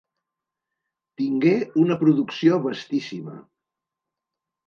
Tingué una producció vastíssima.